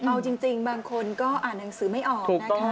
เอาจริงบางคนก็อ่านหนังสือไม่ออกนะคะ